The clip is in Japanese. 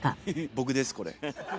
僕ですこれ。